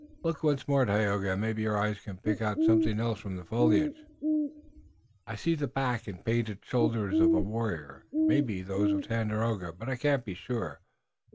"Look once more, Tayoga, and maybe your eyes can pick out something else from the foliage." "I see the back and painted shoulder of a warrior. It may be those of Tandakora, but I cannot be sure."